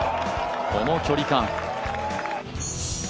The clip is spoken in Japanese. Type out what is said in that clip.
この距離感。